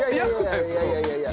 いやいやいやいや。